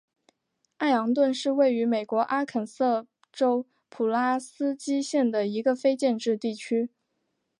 艾昂顿是位于美国阿肯色州普拉斯基县的一个非建制地区。